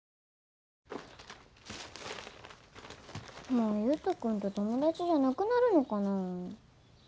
もう優斗君と友達じゃなくなるのかな？